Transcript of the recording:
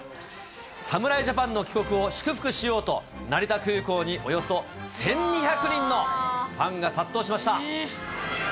侍ジャパンの帰国を祝福しようと、成田空港におよそ１２００人のファンが殺到しました。